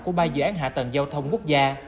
của ba dự án hạ tầng giao thông quốc gia